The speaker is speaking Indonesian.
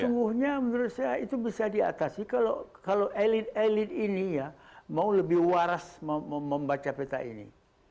sesungguhnya menurut saya itu bisa diatasi kalau elit elit ini ya mau lebih waras membaca peta ini